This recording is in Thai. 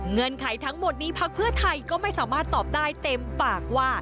ไขทั้งหมดนี้พักเพื่อไทยก็ไม่สามารถตอบได้เต็มปากว่า